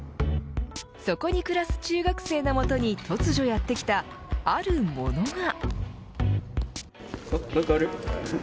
そこに暮らす中学生のもとに突如やってきたあるものが。